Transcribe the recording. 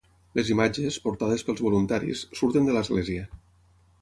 Les imatges, portades pels voluntaris, surten de l'església.